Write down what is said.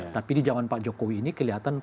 tapi di zaman pak jokowi ini kelihatan